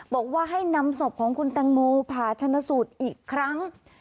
บอกว่าให้นำศพของคุณตังโมผ่าชนะสูตรอีกครั้ง